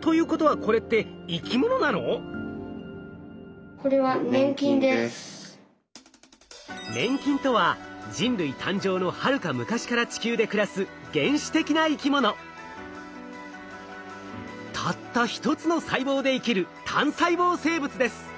ということはこれって粘菌とは人類誕生のはるか昔から地球で暮らすたった一つの細胞で生きる単細胞生物です。